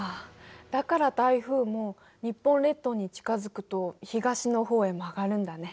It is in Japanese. だから台風も日本列島に近づくと東の方へ曲がるんだね。